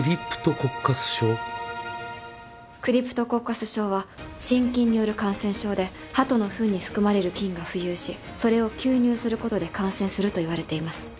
クリプトコッカス症は真菌による感染症ではとのふんに含まれる菌が浮遊しそれを吸入することで感染するといわれています。